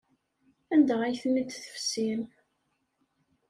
Anda ay ten-id-tefsim?